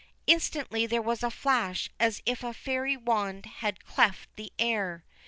Instantly there was a flash as if a fairy wand had cleft the air.